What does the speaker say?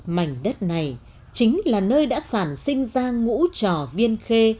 mảnh đất này chính là nơi đã sản sinh ra ngũ trò viên khê